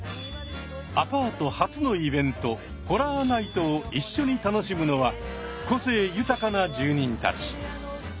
アパート初のイベントホラーナイトを一緒に楽しむのは個性豊かな住人たち。